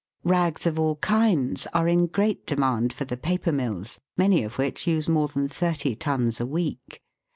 Rags of all kinds are in great demand for the paper mills, many of which use more than thirty tons a week.